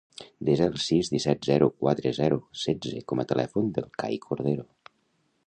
Desa el sis, disset, zero, quatre, zero, setze com a telèfon del Cai Cordero.